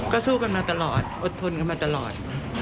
ก็สู้กันมาตลอดอดทนกันมาตลอด